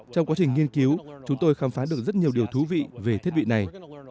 trong quá trình nghiên cứu chúng tôi khám phá được rất nhiều điều thú vị về thiết bị này